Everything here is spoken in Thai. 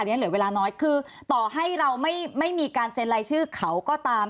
อันนี้เหลือเวลาน้อยคือต่อให้เราไม่มีการเซ็นรายชื่อเขาก็ตาม